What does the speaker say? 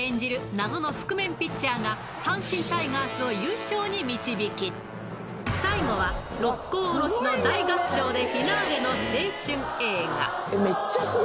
謎の覆面ピッチャーが、阪神タイガースを優勝に導き、最後は六甲おろしの大合唱でフィナーレの青春映画。